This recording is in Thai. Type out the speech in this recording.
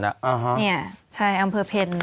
นี่ใช่อำเภอเพลิน